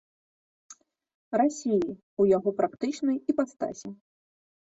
Расіі, у яго практычнай іпастасі.